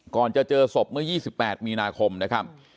ก่อนจะเจอศพเมื่อ๒๘มีนาคมนะครับ